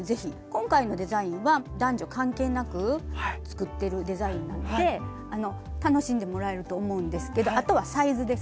今回のデザインは男女関係なく作ってるデザインなので楽しんでもらえると思うんですけどあとはサイズですね。